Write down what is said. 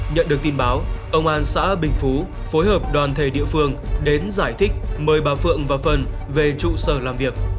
nhận được tin báo công an xã bình phú phối hợp đoàn thể địa phương đến giải thích mời bà phượng và phần về trụ sở làm việc